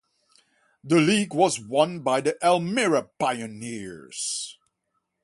The league was won by the Elmira Pioneers.